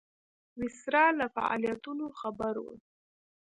ویسرا له فعالیتونو خبر وو.